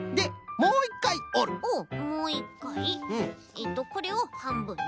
えっとこれをはんぶんね。